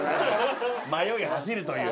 迷い走るという。